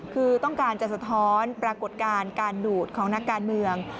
คือต้องการจะสะท้อนปรากฏการณ์การดูดของนักการเมือง